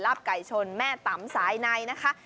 ไก่ชนแม่ตำสายในนะคะ